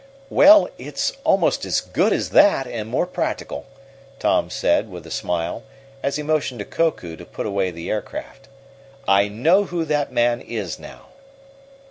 "Well, it's almost as good as that, and more practical," Tom said, with a smile, as he motioned to Koku to put away the aircraft "I know who that man is, now."